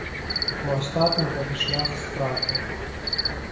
У астатнім гэта шлях стратаў.